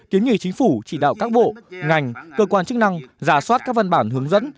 kiến nghị chính phủ chỉ đạo các bộ ngành cơ quan chức năng giả soát các văn bản hướng dẫn